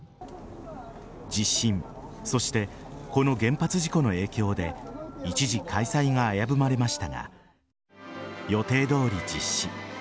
地震そしてこの原発事故の影響で一時、開催が危ぶまれましたが予定どおり実施。